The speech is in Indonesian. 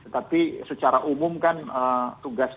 tapi secara umum kan tugas